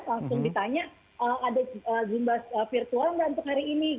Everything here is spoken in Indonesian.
langsung ditanya ada zumba virtual nggak untuk hari ini